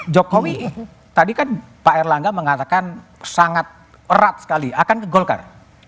jokowi tadi kan pak erlangga mengatakan sangat erat sekali akan ke golkar